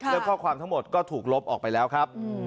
และข้อความทั้งหมดก็ถูกลบออกไปแล้วครับ